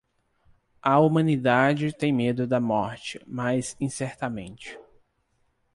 A humanidade tem medo da morte, mas incertamente.